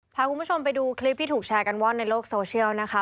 พาคุณผู้ชมไปดูคลิปที่ถูกแชร์กันว่อนในโลกโซเชียลนะคะ